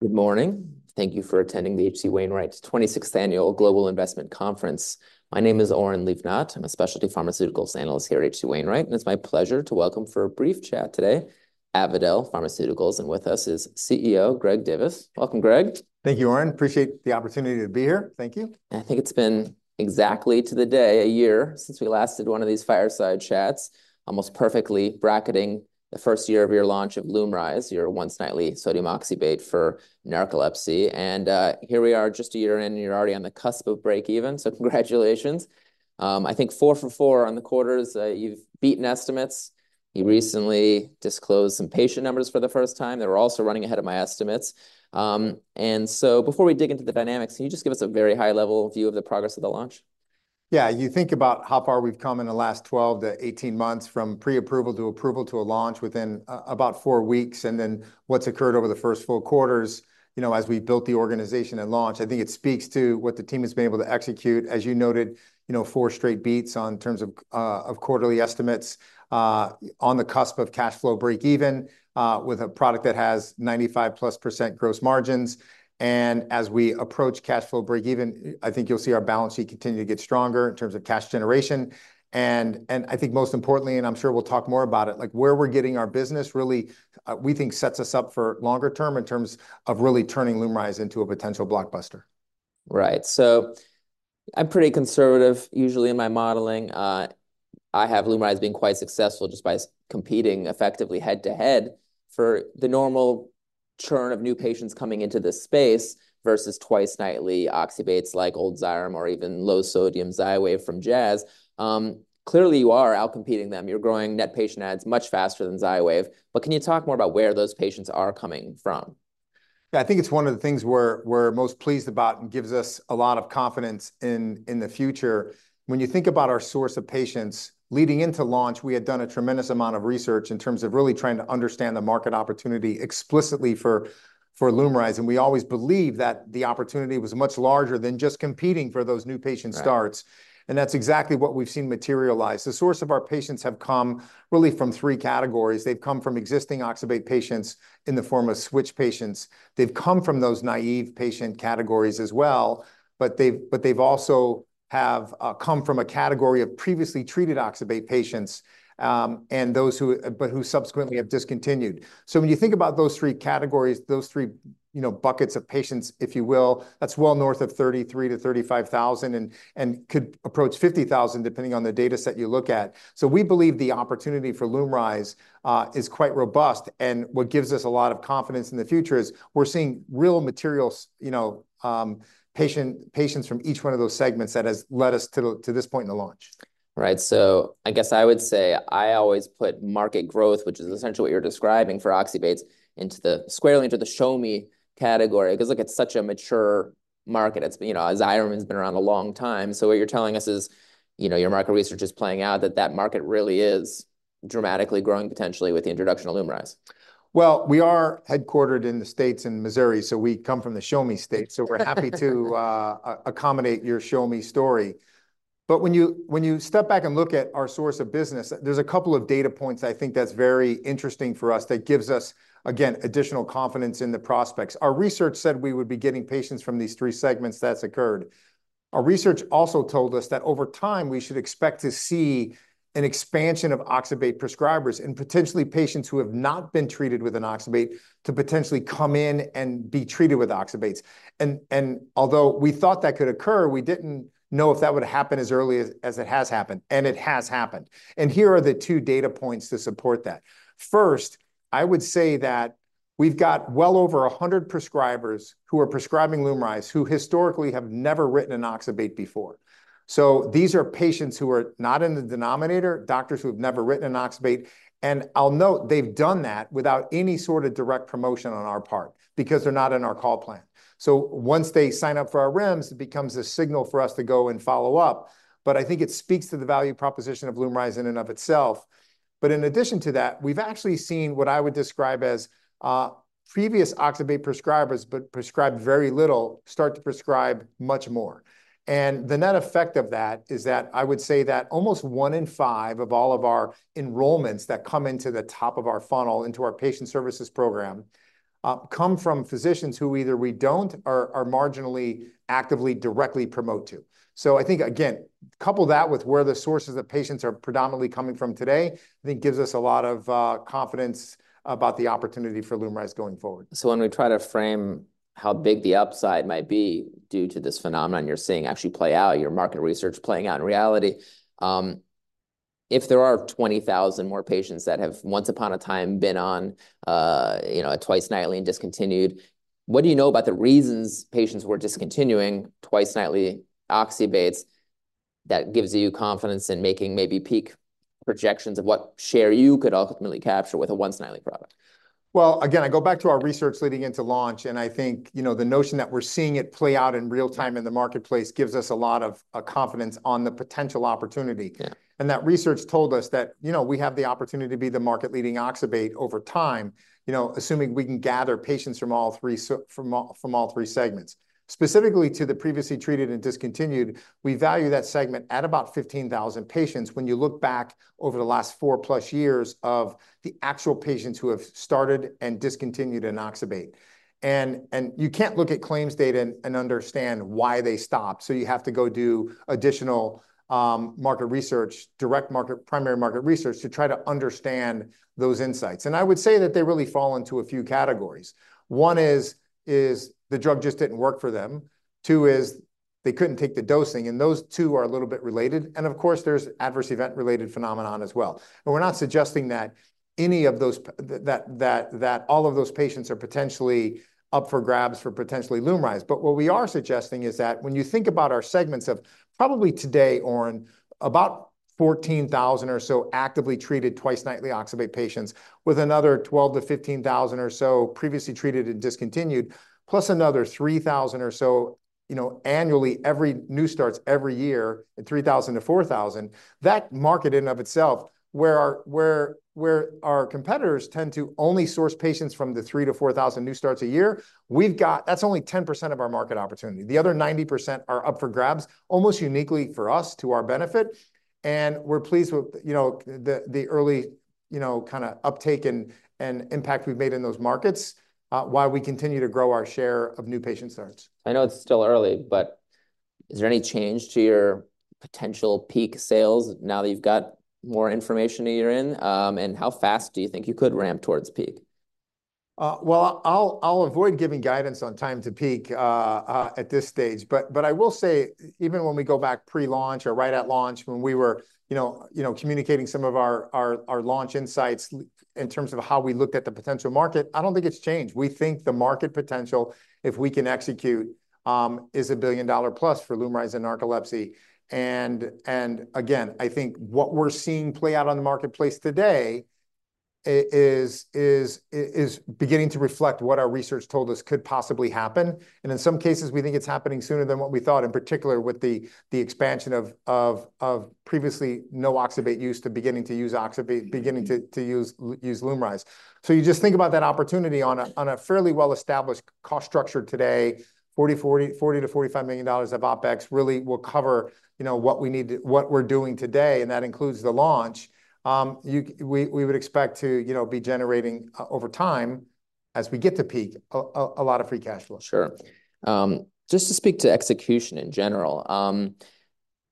Good morning. Thank you for attending the H.C. Wainwright's twenty-sixth Annual Global Investment Conference. My name is Oren Livnat. I'm a specialty pharmaceuticals analyst here at H.C. Wainwright, and it's my pleasure to welcome for a brief chat today, Avadel Pharmaceuticals, and with us is CEO Greg Divis. Welcome, Greg. Thank you, Oren. Appreciate the opportunity to be here. Thank you. I think it's been exactly to the day, a year, since we last did one of these fireside chats, almost perfectly bracketing the first year of your launch of LUMRYZ, your once-nightly sodium oxybate for narcolepsy. And here we are, just a year in, and you're already on the cusp of break even, so congratulations. I think four for four on the quarters, you've beaten estimates. You recently disclosed some patient numbers for the first time. They were also running ahead of my estimates. And so before we dig into the dynamics, can you just give us a very high-level view of the progress of the launch? Yeah. You think about how far we've come in the last 12-18 months, from pre-approval, to approval, to a launch within about four weeks, and then what's occurred over the first full quarters, you know, as we built the organization at launch, I think it speaks to what the team has been able to execute. As you noted, you know, four straight beats on terms of of quarterly estimates, on the cusp of cash flow break even, with a product that has 95 plus% gross margins. And as we approach cash flow break even, I think you'll see our balance sheet continue to get stronger in terms of cash generation. I think most importantly, and I'm sure we'll talk more about it, like, where we're getting our business really, we think sets us up for longer term in terms of really turning LUMRYZ into a potential blockbuster. Right. So I'm pretty conservative usually in my modeling. I have LUMRYZ being quite successful just by competing effectively head-to-head for the normal churn of new patients coming into this space versus twice nightly oxybates, like old Xyrem or even low sodium Xywav from Jazz. Clearly, you are out-competing them. You're growing net patient adds much faster than Xywav, but can you talk more about where those patients are coming from? Yeah, I think it's one of the things we're most pleased about and gives us a lot of confidence in the future. When you think about our source of patients, leading into launch, we had done a tremendous amount of research in terms of really trying to understand the market opportunity explicitly for LUMRYZ, and we always believed that the opportunity was much larger than just competing for those new patient starts- Right... and that's exactly what we've seen materialize. The source of our patients have come really from three categories. They've come from existing oxybate patients in the form of switch patients. They've come from those naive patient categories as well, but they've also have come from a category of previously treated oxybate patients, and those who but who subsequently have discontinued. So when you think about those three categories, those three, you know, buckets of patients, if you will, that's well north of 33-35 thousand, and could approach 50 thousand, depending on the dataset you look at. So we believe the opportunity for LUMRYZ is quite robust, and what gives us a lot of confidence in the future is we're seeing real material, you know, patients from each one of those segments that has led us to this point in the launch. Right. So I guess I would say, I always put market growth, which is essentially what you're describing for oxybates, squarely into the Show-Me category, because, look, it's such a mature market. It's... You know, Xyrem has been around a long time. So what you're telling us is, you know, your market research is playing out, that that market really is dramatically growing potentially with the introduction of LUMRYZ. Well, we are headquartered in the States, in Missouri, so we come from the Show-Me State, so we're happy to accommodate your show me story. But when you step back and look at our source of business, there's a couple of data points I think that's very interesting for us that gives us, again, additional confidence in the prospects. Our research said we would be getting patients from these three segments. That's occurred. Our research also told us that over time, we should expect to see an expansion of oxybate prescribers, and potentially patients who have not been treated with an oxybate to potentially come in and be treated with oxybates. And although we thought that could occur, we didn't know if that would happen as early as it has happened, and it has happened. And here are the two data points to support that: First, I would say that we've got well over 100 prescribers who are prescribing LUMRYZ, who historically have never written an oxybate before. So these are patients who are not in the denominator, doctors who have never written an oxybate, and I'll note, they've done that without any sort of direct promotion on our part because they're not in our call plan. So once they sign up for our REMS, it becomes a signal for us to go and follow up, but I think it speaks to the value proposition of LUMRYZ in and of itself. But in addition to that, we've actually seen what I would describe as previous oxybate prescribers, but prescribed very little, start to prescribe much more. And the net effect of that is that I would say that almost one in five of all of our enrollments that come into the top of our funnel, into our patient services program, come from physicians who either we don't or are marginally, actively, directly promote to. So I think, again, couple that with where the sources of patients are predominantly coming from today, I think gives us a lot of confidence about the opportunity for LUMRYZ going forward. So when we try to frame how big the upside might be due to this phenomenon you're seeing actually play out, your market research playing out in reality, if there are 20,000 more patients that have once upon a time been on, you know, a twice nightly and discontinued, what do you know about the reasons patients were discontinuing twice nightly oxybates that gives you confidence in making maybe peak projections of what share you could ultimately capture with a once nightly product? Again, I go back to our research leading into launch, and I think, you know, the notion that we're seeing it play out in real time in the marketplace gives us a lot of confidence on the potential opportunity. Yeah. That research told us that, you know, we have the opportunity to be the market-leading oxybate over time, you know, assuming we can gather patients from all three segments. Specifically to the previously treated and discontinued, we value that segment at about 15,000 patients when you look back over the last four-plus years of the actual patients who have started and discontinued oxybate. You can't look at claims data and understand why they stopped, so you have to go do additional market research, direct market, primary market research to try to understand those insights. I would say that they really fall into a few categories. One is the drug just didn't work for them. Two is they couldn't take the dosing, and those two are a little bit related. Of course, there's adverse event-related phenomenon as well. We're not suggesting that any of those that all of those patients are potentially up for grabs for potentially LUMRYZ. But what we are suggesting is that when you think about our segments of probably today, Oren, about 14,000 or so actively treated twice-nightly oxybate patients, with another 12,000-15,000 or so previously treated and discontinued, plus another 3,000 or so, you know, annually, every new starts every year, 3,000-4,000, that market in and of itself, where our competitors tend to only source patients from the 3,000-4,000 new starts a year, we've got. That's only 10% of our market opportunity. The other 90% are up for grabs, almost uniquely for us, to our benefit, and we're pleased with, you know, the early, you know, kind of uptake and impact we've made in those markets while we continue to grow our share of new patient starts. I know it's still early, but is there any change to your potential peak sales now that you've got more information a year in? And how fast do you think you could ramp towards peak? I'll avoid giving guidance on time to peak at this stage, but I will say, even when we go back pre-launch or right at launch, when we were, you know, communicating some of our launch insights in terms of how we looked at the potential market, I don't think it's changed. We think the market potential, if we can execute, is $1 billion plus for LUMRYZ and narcolepsy, and again, I think what we're seeing play out on the marketplace today is beginning to reflect what our research told us could possibly happen, and in some cases, we think it's happening sooner than what we thought, in particular with the expansion of previously no oxybate use to beginning to use oxybate, beginning to use LUMRYZ. So you just think about that opportunity on a fairly well-established cost structure today, $40-$45 million of OpEx really will cover, you know, what we need to. What we're doing today, and that includes the launch. We would expect to, you know, be generating, over time, as we get to peak, a lot of free cash flow. Sure. Just to speak to execution in general,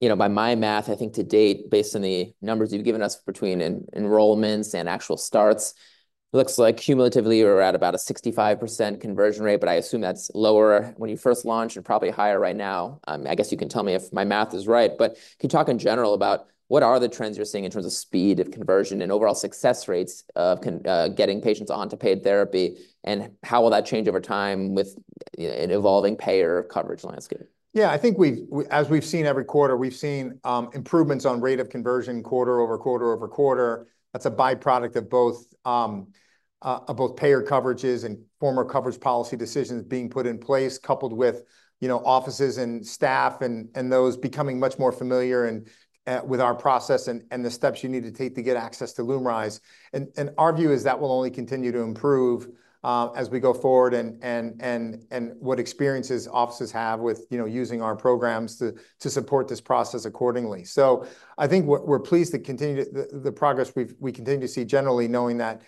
you know, by my math, I think to date, based on the numbers you've given us between enrollments and actual starts, looks like cumulatively, we're at about a 65% conversion rate, but I assume that's lower when you first launched and probably higher right now. I guess you can tell me if my math is right. But can you talk in general about what are the trends you're seeing in terms of speed of conversion and overall success rates of getting patients onto paid therapy, and how will that change over time with, you know, an evolving payer coverage landscape? Yeah, I think we've as we've seen every quarter, we've seen improvements on rate of conversion quarter over quarter over quarter. That's a by-product of both payer coverages and favorable coverage policy decisions being put in place, coupled with, you know, offices and staff and those becoming much more familiar and with our process and the steps you need to take to get access to LUMRYZ. And our view is that will only continue to improve as we go forward, and what experiences offices have with, you know, using our programs to support this process accordingly. So I think we're pleased to continue the progress we continue to see generally, knowing that,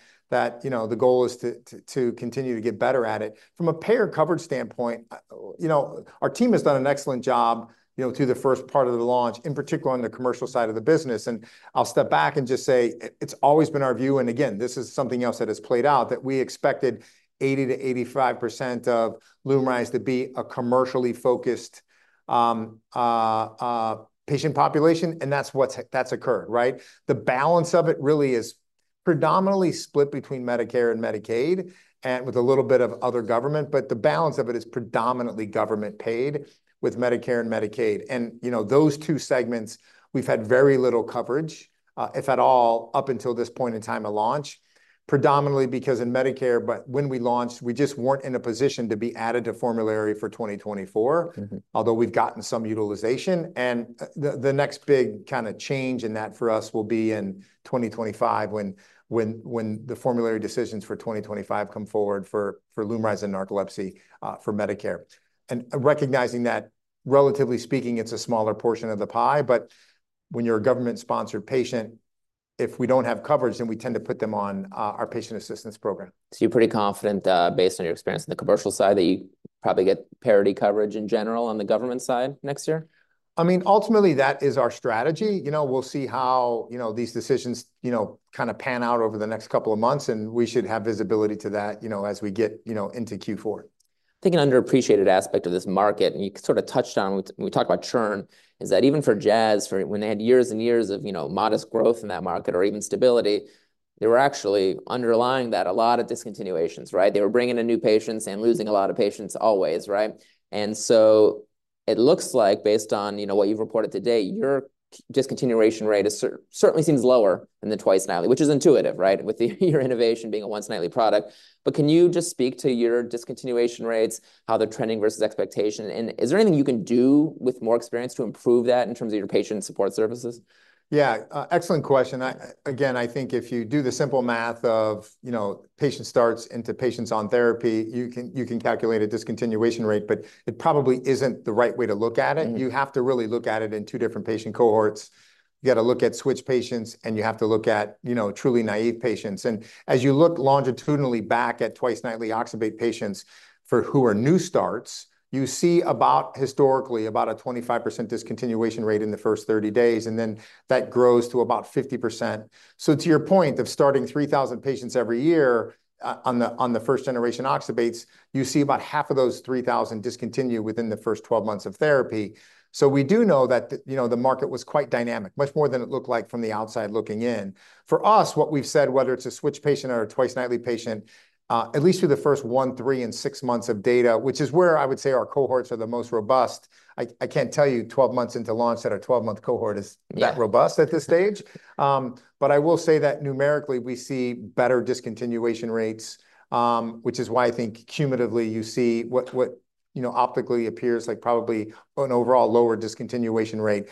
you know, the goal is to continue to get better at it. From a payer coverage standpoint, you know, our team has done an excellent job, you know, through the first part of the launch, in particular on the commercial side of the business, and I'll step back and just say it's always been our view, and again, this is something else that has played out, that we expected 80%-85% of LUMRYZ to be a commercially focused patient population, and that's what's that's occurred, right? The balance of it really is predominantly split between Medicare and Medicaid, and with a little bit of other government, but the balance of it is predominantly government-paid with Medicare and Medicaid. And, you know, those two segments, we've had very little coverage, if at all, up until this point in time of launch, predominantly because in Medicare. But when we launched, we just weren't in a position to be added to formulary for 2024- Mm-hmm... although we've gotten some utilization, and the next big kind of change in that for us will be in 2025, when the formulary decisions for 2025 come forward for LUMRYZ and narcolepsy, for Medicare. And recognizing that, relatively speaking, it's a smaller portion of the pie, but when you're a government-sponsored patient, if we don't have coverage, then we tend to put them on our patient assistance program. So you're pretty confident, based on your experience on the commercial side, that you'd probably get parity coverage in general on the government side next year? I mean, ultimately, that is our strategy. You know, we'll see how, you know, these decisions, you know, kind of pan out over the next couple of months, and we should have visibility to that, you know, as we get, you know, into Q4. I think an underappreciated aspect of this market, and you sort of touched on when we talked about churn, is that even for Jazz, for when they had years and years of, you know, modest growth in that market or even stability, there were actually, underlying that, a lot of discontinuations, right? They were bringing in new patients and losing a lot of patients always, right? And so it looks like, based on, you know, what you've reported to date, your discontinuation rate is certainly seems lower than the twice-nightly, which is intuitive, right? With your innovation being a once-nightly product. But can you just speak to your discontinuation rates, how they're trending versus expectation, and is there anything you can do with more experience to improve that in terms of your patient support services? Yeah, excellent question. I, again, I think if you do the simple math of, you know, patient starts into patients on therapy, you can, you can calculate a discontinuation rate, but it probably isn't the right way to look at it. Mm. You have to really look at it in two different patient cohorts. You got to look at switch patients, and you have to look at, you know, truly naive patients. As you look longitudinally back at twice-nightly oxybate patients for who are new starts, you see about, historically, about a 25% discontinuation rate in the first 30 days, and then that grows to about 50%. To your point of starting 3,000 patients every year on the first-generation oxybates, you see about half of those 3,000 discontinue within the first 12 months of therapy. We do know that the, you know, the market was quite dynamic, much more than it looked like from the outside looking in. For us, what we've said, whether it's a switch patient or a twice-nightly patient, at least through the first one, three, and six months of data, which is where I would say our cohorts are the most robust, I can't tell you twelve months into launch that our twelve-month cohort is- Yeah... that robust at this stage. But I will say that numerically, we see better discontinuation rates, which is why I think cumulatively you see what, you know, optically appears like probably an overall lower discontinuation rate.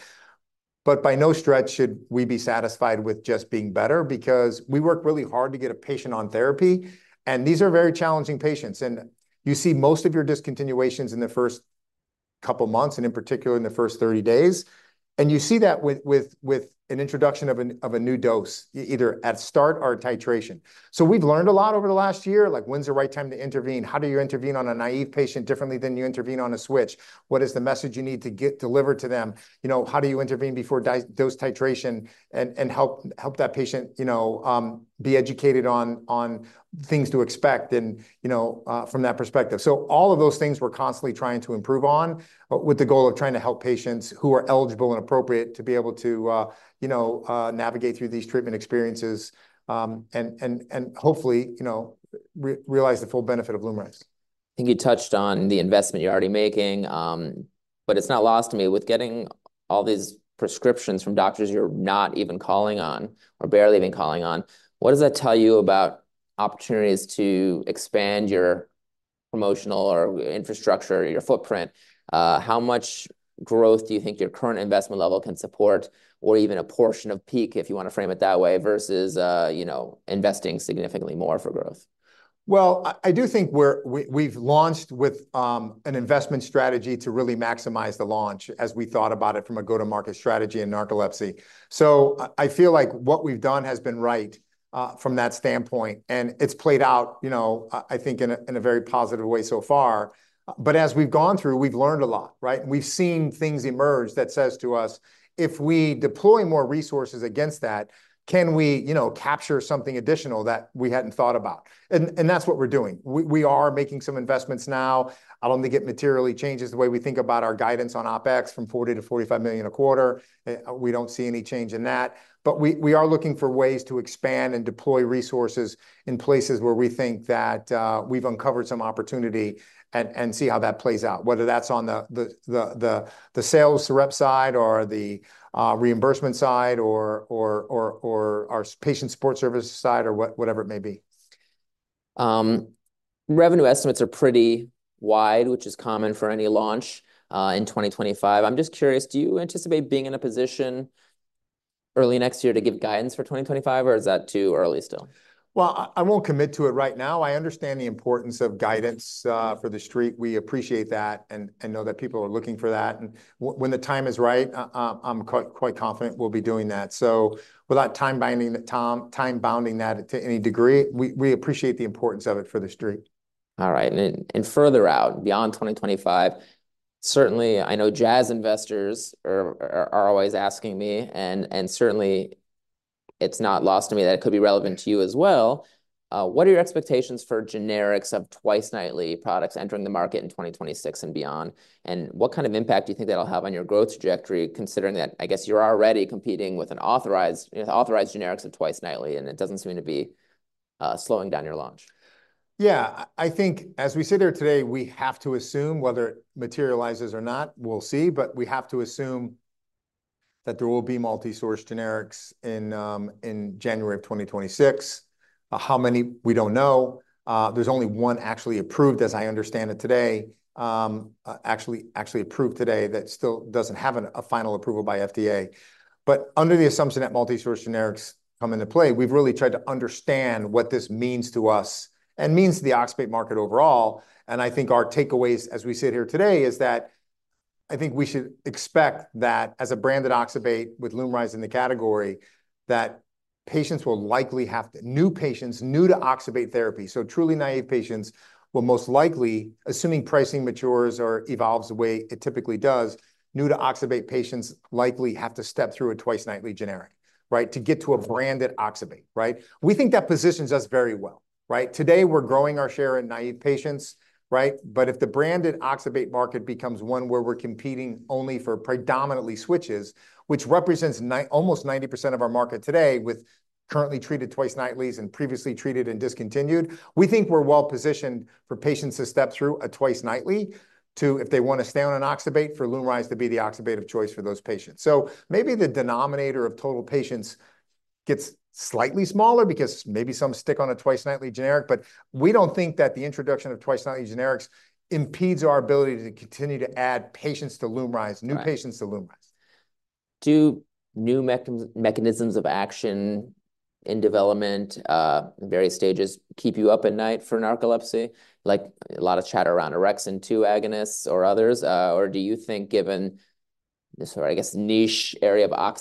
But by no stretch should we be satisfied with just being better, because we work really hard to get a patient on therapy, and these are very challenging patients. And you see most of your discontinuations in the first couple months, and in particular, in the first thirty days, and you see that with an introduction of a new dose, either at start or titration. So we've learned a lot over the last year, like, when's the right time to intervene? How do you intervene on a naive patient differently than you intervene on a switch? What is the message you need to get delivered to them? You know, how do you intervene before dose titration, and help that patient, you know, be educated on things to expect and, you know, from that perspective? So all of those things we're constantly trying to improve on, but with the goal of trying to help patients who are eligible and appropriate to be able to, you know, navigate through these treatment experiences, and hopefully, you know, realize the full benefit of LUMRYZ. I think you touched on the investment you're already making, but it's not lost to me, with getting all these prescriptions from doctors you're not even calling on or barely even calling on, what does that tell you about opportunities to expand your promotional or infrastructure, your footprint? How much growth do you think your current investment level can support, or even a portion of peak, if you want to frame it that way, versus, you know, investing significantly more for growth? I do think we've launched with an investment strategy to really maximize the launch as we thought about it from a go-to-market strategy in narcolepsy. I feel like what we've done has been right from that standpoint, and it's played out, you know, I think in a very positive way so far. As we've gone through, we've learned a lot, right? We've seen things emerge that says to us, if we deploy more resources against that, can we, you know, capture something additional that we hadn't thought about? That's what we're doing. We are making some investments now. I don't think it materially changes the way we think about our guidance on OpEx from $40-$45 million a quarter. We don't see any change in that. But we are looking for ways to expand and deploy resources in places where we think that we've uncovered some opportunity, and see how that plays out, whether that's on the sales rep side or the reimbursement side or our patient support service side, or whatever it may be. Revenue estimates are pretty wide, which is common for any launch, in 2025. I'm just curious, do you anticipate being in a position early next year to give guidance for 2025, or is that too early still? I won't commit to it right now. I understand the importance of guidance for the Street. We appreciate that, and know that people are looking for that, and when the time is right, I'm quite confident we'll be doing that. So without time bounding that to any degree, we appreciate the importance of it for the Street. All right. And then, further out, beyond twenty twenty-five, certainly I know Jazz investors are always asking me, and certainly it's not lost to me that it could be relevant to you as well, what are your expectations for generics of twice-nightly products entering the market in twenty twenty-six and beyond? And what kind of impact do you think that'll have on your growth trajectory, considering that I guess you're already competing with an authorized generics of twice-nightly, and it doesn't seem to be slowing down your launch? Yeah. I think as we sit here today, we have to assume, whether it materializes or not, we'll see, but we have to assume that there will be multi-source generics in January of 2026. How many? We don't know. There's only one actually approved, as I understand it today, actually approved today that still doesn't have a final approval by FDA. But under the assumption that multi-source generics come into play, we've really tried to understand what this means to us and means to the oxybate market overall. And I think our takeaways, as we sit here today, is that I think we should expect that as a branded oxybate with LUMRYZ in the category, that patients will likely have to... New patients, new to oxybate therapy, so truly naive patients, will most likely, assuming pricing matures or evolves the way it typically does, new to oxybate patients likely have to step through a twice-nightly generic, right, to get to a branded oxybate, right? We think that positions us very well, right? Today, we're growing our share in naive patients, right? But if the branded oxybate market becomes one where we're competing only for predominantly switches, which represents almost 90% of our market today, with currently treated twice nightlies and previously treated and discontinued, we think we're well-positioned for patients to step through a twice nightly to, if they want to stay on an oxybate, for LUMRYZ to be the oxybate of choice for those patients. So maybe the denominator of total patients gets slightly smaller, because maybe some stick on a twice-nightly generic, but we don't think that the introduction of twice-nightly generics impedes our ability to continue to add patients to LUMRYZ- Right... new patients to LUMRYZ. Do new mechanisms of action in development, in various stages, keep you up at night for narcolepsy? Like a lot of chatter around Orexin 2 agonists or others. Or do you think, given this, or I guess, niche area of oxy-